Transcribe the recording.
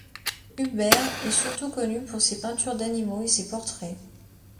Huber est surtout connu pour ses peintures d'animaux et ses portraits.